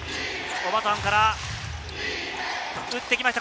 オバソハンから打ってきました。